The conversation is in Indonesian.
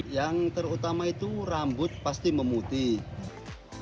yang terutama itu rambut pasti memutih